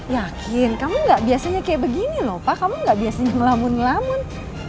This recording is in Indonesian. yakin kamu gak biasanya kayak begini lho pak kamu gak biasanya melamun melamun